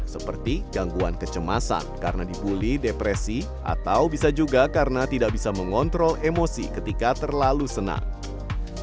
seperti gangguan kecemasan karena dibully depresi atau bisa juga karena tidak bisa mengontrol emosi ketika terlalu senang